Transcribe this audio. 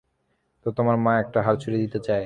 তো, তোমার মা একটা হাড় ছুঁড়ে দিতে চায়?